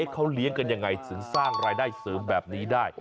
เขาเลี้ยงกันยังไงถึงสร้างรายได้เสริมแบบนี้ได้